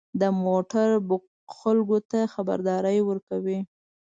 • د موټر بوق خلکو ته خبرداری ورکوي.